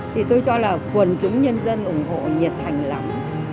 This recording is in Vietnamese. thì tôi cho là quần chúng nhân dân ủng hộ nhiệt thành lắm